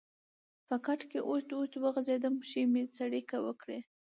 په کټ کې اوږد اوږد وغځېدم، پښې مې څړیکه وکړې.